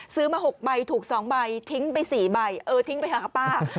ซื้อมาหกใบถูกสองใบทิ้งไปสี่ใบเออทิ้งไปค่ะป้า